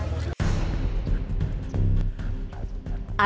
kita akan tidak lanjuti kita akan tanggapi